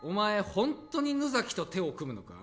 本当に野崎と手を組むのか？